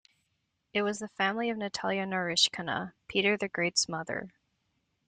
It was the family of Natalia Naryshkina, Peter the Great's mother.